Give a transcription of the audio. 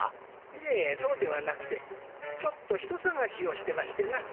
いえそうではなくてちょっと人さがしをしてましてな。